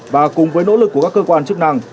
và cùng với nỗ lực của các cơ quan chức năng